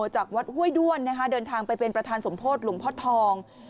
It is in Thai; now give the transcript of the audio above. จากวัดห้วยด้วนเดินทางไปเป็นประธานสมโพธิหลวงพ่อทอง